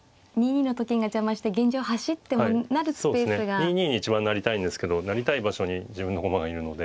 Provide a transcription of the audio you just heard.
２二に一番成りたいんですけど成りたい場所に自分の駒がいるので。